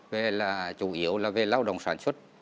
về là chủ yếu là về lao động sản xuất